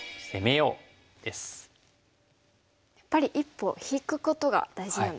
やっぱり一歩引くことが大事なんですね。